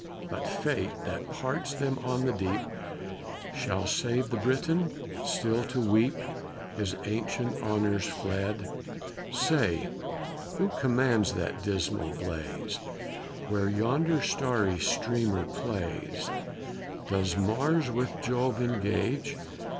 But fate, that parts them on the deep, Shall save the Briton, still to weep His ancient honors fled. Say, who commands that dismal blaze, Where yonder starry streamer plays; Does Mars with Jove engage!